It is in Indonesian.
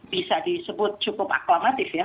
bisa disebut cukup akmatif ya